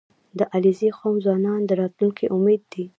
• د علیزي قوم ځوانان د راتلونکي امید دي.